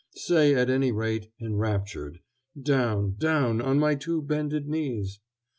say, at any rate, enraptured, down, down, on my two bended knees.